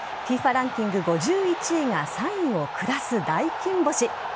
ランキング５１位が３位を下す大金星。